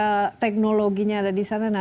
ada teknologinya ada di sana